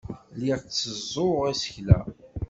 Lliɣ tteẓẓuɣ isekla.